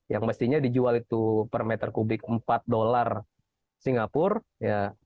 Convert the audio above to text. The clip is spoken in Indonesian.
yang mestinya dijual itu per meter kubik empat dolar singapura ya